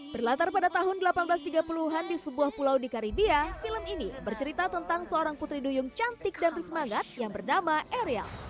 berlatar pada tahun seribu delapan ratus tiga puluh an di sebuah pulau di karibia film ini bercerita tentang seorang putri duyung cantik dan bersemangat yang bernama ariel